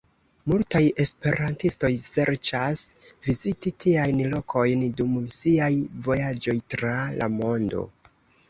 Multaj esperantistoj serĉas viziti tiajn lokojn dum siaj vojaĝoj tra la mondo.